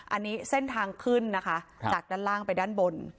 อันนี้เส้นทางขึ้นนะคะจากด้านล่างไปด้านบน